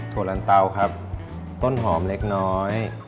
โลันเตาครับต้นหอมเล็กน้อย